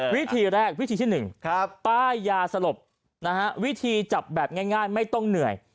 วิธีแรกวิธีที่๑ป้ายยาสลบนะฮะวิธีจับแบบง่ายไม่ต้องเหนื่อย